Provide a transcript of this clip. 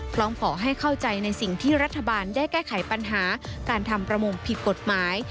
พร้อมขอให้เข้าใจในสิ่งที่รัฐบาลได้แก้ไขปัญหาการทำประมงผิดกฎหมาย